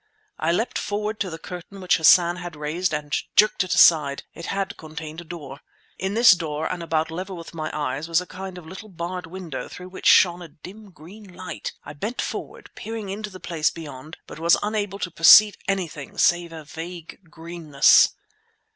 I leapt forward to the curtain which Hassan had raised and jerked it aside; it had concealed a door. In this door and about level with my eyes was a kind of little barred window through which shone a dim green light. I bent forward, peering into the place beyond, but was unable to perceive anything save a vague greenness.